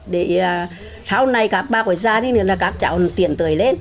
để sau này các bà quay ra đây là các cháu tiện tuổi lên